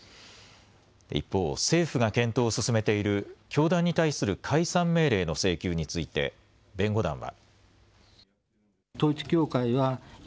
一方、政府が検討を進めている教団に対する解散命令の請求について弁護団は。